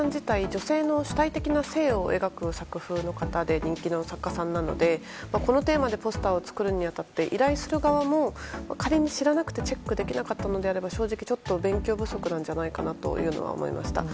女性の主体的な性を描く作風で人気の作家さんなのでこのテーマでポスターを作るに当たって依頼する側も仮に知らなくてチェックできなかったのであれば正直、勉強不足じゃないかなと思いました。